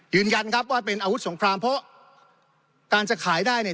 ยืนยันครับว่าเป็นอาวุธสงครามเพราะการจะขายได้เนี่ย